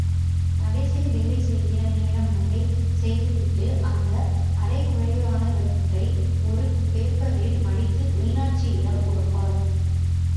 நடேசன் வேலை செய்கிற நேரம் வரை செய்துவிட்டு, அந்த அரைகுறையானவற்றை, ஒரு பேப்பரில் மடித்து மீனாட்சியிடம் கொடுப்பார்.